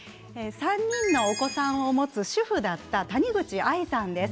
３人のお子さんを持つ主婦だった谷口愛さんです。